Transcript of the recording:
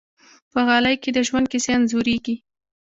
په غالۍ کې د ژوند کیسې انځورېږي.